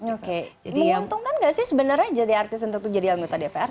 oke menguntungkan gak sih sebenarnya jadi artis untuk menjadi anggota dpr